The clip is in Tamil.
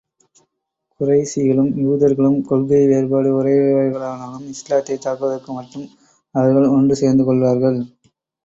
குறைஷிகளும் யூதர்களும் கொள்கை வேறுபாடு உடையவர்களானாலும், இஸ்லாத்தைத் தாக்குவதற்கு மட்டும் அவர்கள் ஒன்று சேர்ந்து கொள்வார்கள்.